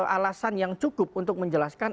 alasan yang cukup untuk menjelaskan